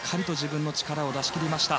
芦川、しっかりと自分の力を出し切りました。